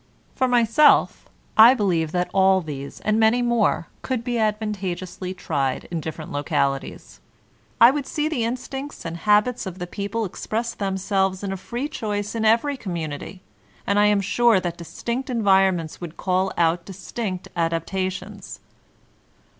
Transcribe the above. For myself, I believe that all these and many more could be advantageously tried in different localities; I would see the instincts and habits of the people express themselves in a free choice in every community; and I am sure that distinct environments would call out dis tinct adaptations.